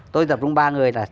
tôi tập trung ba người là